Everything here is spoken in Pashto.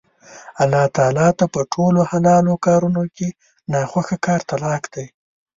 الله تعالی ته په ټولو حلالو کارونو کې نا خوښه کار طلاق دی